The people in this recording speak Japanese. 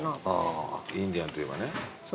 あインディアンといえばね。